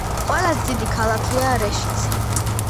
ყველაზე დიდი ქალაქია რეშიცა.